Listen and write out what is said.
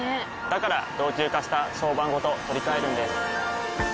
から老朽化した床版ごと取り替えるんです。